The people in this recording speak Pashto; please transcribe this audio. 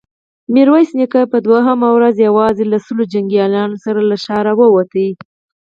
ميرويس نيکه په دوهمه ورځ يواځې له سلو جنګياليو سره له ښاره ووت.